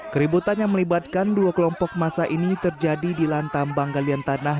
keributan yang melibatkan dua kelompok masa ini terjadi di lantam banggalian tanah